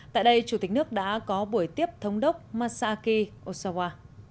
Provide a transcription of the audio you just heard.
tại đây chủ tịch nước đã có buổi tiếp thống đốc masaki osawa